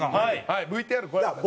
ＶＴＲ、ご覧ください。